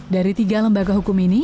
dari tiga lembaga hukum ini